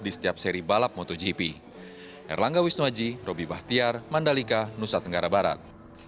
di setiap seri balap motogp